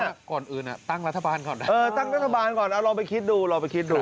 ก่อนอื่นตั้งรัฐบาลก่อนนะเออตั้งรัฐบาลก่อนเอาลองไปคิดดูลองไปคิดดู